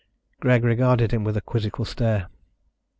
Greg regarded him with a quizzical stare.